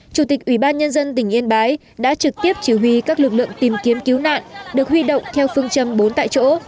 chủ tịch ủy ban nhân dân tỉnh yên bái đã trực tiếp chỉ huy các lực lượng tìm kiếm cứu nạn được huy động theo phương châm bốn tại chỗ